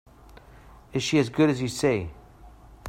Is she as good as you say?